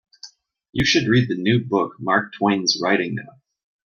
You should read the new book Mark Twain's writing now.